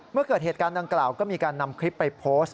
เมื่อเกิดเหตุการณ์ดังกล่าวก็มีการนำคลิปไปโพสต์